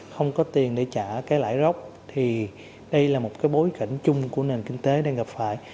không có tiền để trả cái lãi rốc thì đây là một cái bối cảnh chung của nền kinh tế đang gặp phải